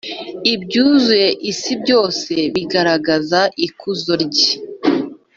Ibyuzuye isi byose bigaragaza ikuzo rye